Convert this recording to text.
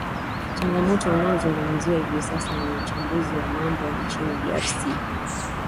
changamoto unaozungumziwa hivi sasa na wachambuzi wa mambo nchini drc